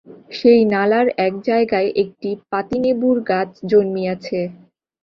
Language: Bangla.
সেই নালার এক জায়গায় একটি পাতিনেবুর গাছ জন্মিয়াছে।